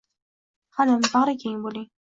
Halim, bag‘rikeng bo‘ling.